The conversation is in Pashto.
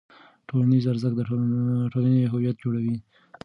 ټولنیز ارزښت د ټولنې هویت جوړوي.